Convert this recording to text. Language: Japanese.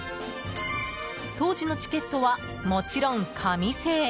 当時のチケットはもちろん紙製。